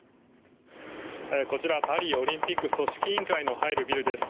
こちらパリオリンピック組織委員会の入るビルです。